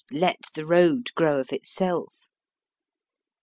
37 let the road grow of itself.